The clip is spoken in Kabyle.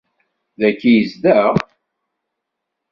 Dagi i yezdeɣ?